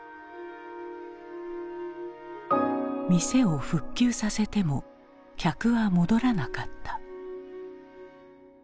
店を復旧させても客は戻らなかった。